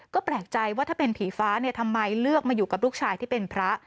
ก็แปลกใจว่าถ้าเป็นผีฟ้าเนี่ยทำไมเลือกมาอยู่กับลูกชายที่เป็นพระ